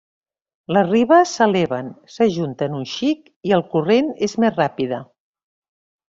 Les ribes s'eleven, s'ajunten un xic i el corrent és més ràpida.